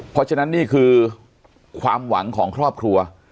เพราะฉะนั้นนี่คือความหวังของครอบครัว